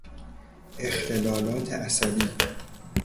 اختلالات عصبی